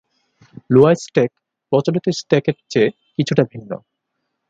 লুয়া stack প্রচলিত stack এর চেয়ে কিছুটা ভিন্ন।